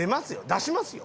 出しますよ？